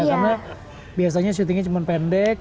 karena biasanya syutingnya cuma pendek